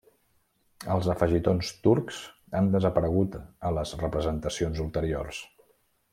Els afegitons turcs han desaparegut a les representacions ulteriors.